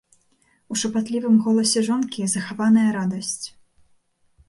У шапатлівым голасе жонкі захаваная радасць.